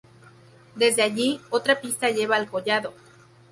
Desde allí, otra pista lleva al collado.